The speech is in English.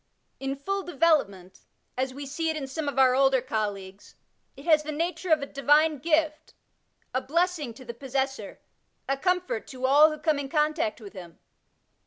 In full development, as we see it in some of our older colleagues, it has the nature of a divine gift, a blessLog to the possessor, a comfort to all who come in contact with him.